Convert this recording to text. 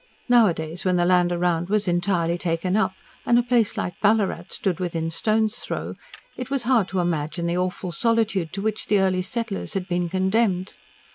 Nowadays, when the land round was entirely taken up, and a place like Ballarat stood within stone's throw, it was hard to imagine the awful solitude to which the early settlers had been condemned.